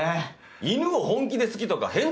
犬を本気で好きとか変態だろ。